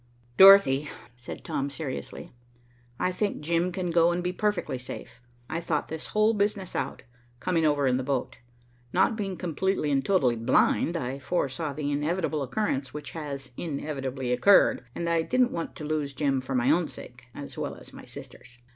"Dorothy," said Tom seriously, "I think Jim can go and be perfectly safe. I thought this whole business out, coming over in the boat. Not being completely and totally blind, I foresaw the inevitable occurrence which has inevitably occurred, and I didn't want to lose Jim for my own sake, as well as my sister's.